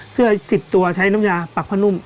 เสื้อ๑๐ตัวใช้น้ำยาปักผ้านุ่ม